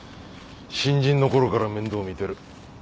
新人のころから面倒を見てる。